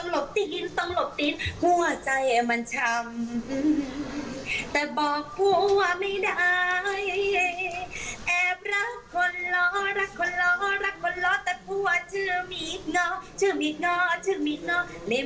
และไม่เคาะรักร้ายและรักผัวคนเดียว